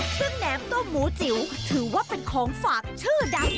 ซึ่งแหนมต้มหมูจิ๋วถือว่าเป็นของฝากชื่อดัง